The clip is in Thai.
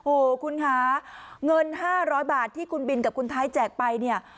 โอ้โหคุณคะเงิน๕๐๐บาทที่คุณบินกับคุณไทยแจกไปเนี่ย